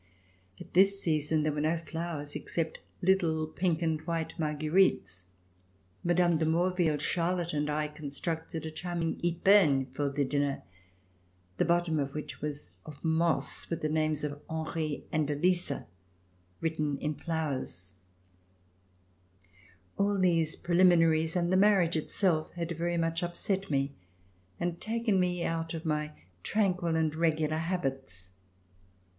At this season there were no flowers except little pink and white marguerites. Mme. de Maurville, Charlotte and I constructed a charming epergne for the dinner, the bottom of which was of moss with the names of Henri and Elisa written in flowers. C325 ] RECOLLECTIONS OF THE REVOLUTION All these preliminaries and the marriage itself had very much upset me and taken me out of my tranquil and regular habits.